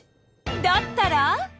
だったら？